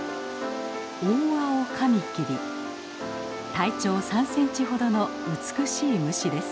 体長３センチほどの美しい虫です。